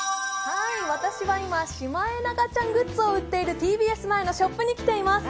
私は今、シマエナガちゃんグッズを売っているＴＢＳ前のショップに来ています。